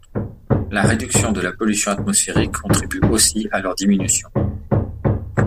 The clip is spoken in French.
La réduction de la pollution atmosphérique contribue aussi à leur diminution.